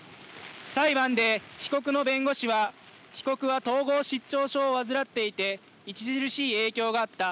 裁判で、被告の弁護士は被告は統合失調症を患っていて著しい影響があった。